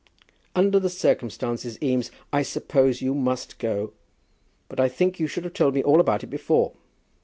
"Under the circumstances, Eames, I suppose you must go; but I think you should have told me all about it before."